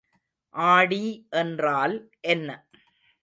ஆடி என்றால் என்ன?